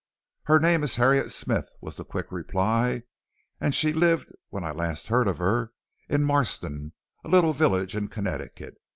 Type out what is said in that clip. "'Her name is Harriet Smith,' was the quick reply, 'and she lived when last I heard of her in Marston, a little village in Connecticut.